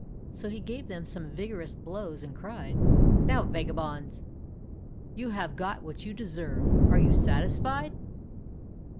So he gave them some vigorous blows and cried, "Now, vagabonds, you have got what you deserve, are you satisfied?"